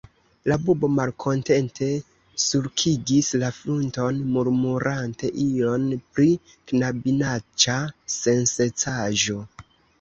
La bubo malkontente sulkigis la frunton, murmurante ion pri "knabinaĉa sensencaĵo".